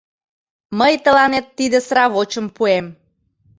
Мый тыланет тиде сравочым пуэм.